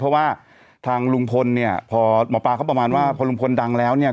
เพราะว่าทางลุงพลเนี่ยพอหมอปลาเขาประมาณว่าพอลุงพลดังแล้วเนี่ย